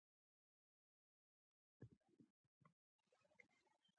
احمدکورته تللی دی او ژر به بيرته راشي.